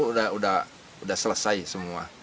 itu sudah selesai semua